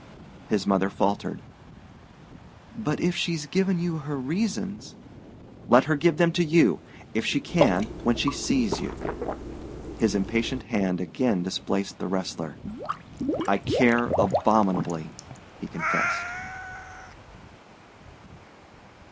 His mother faltered. "But if she's given you her reasons ?" "Let her give them to you! If she can when she sees you...." His impatient hand again displaced the wrestler. "I care abominably," he confessed.